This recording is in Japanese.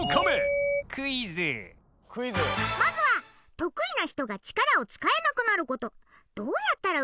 まずは得意な人が力を使えなくなること。